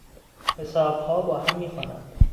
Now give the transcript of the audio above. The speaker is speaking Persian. حسابها با هم میخوانند.